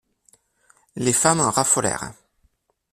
Les femmes en raffolèrent.